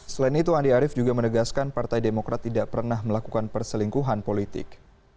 selain itu andi arief juga menegaskan partai demokrat tidak pernah melakukan perselingkuhan politik